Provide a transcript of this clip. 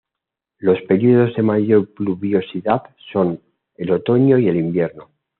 Los períodos de mayor pluviosidad son el otoño y el invierno.